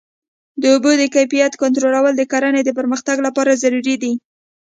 د اوبو د کیفیت کنټرول د کرنې د پرمختګ لپاره ضروري دی.